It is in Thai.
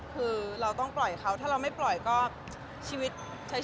คือเราต้องปล่อยเขาถ้าเราไม่ปล่อยก็ชีวิตใช้